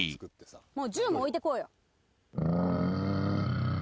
もう銃も置いていこうよ。